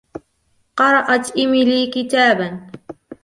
قرأت إيميلي كتاباً.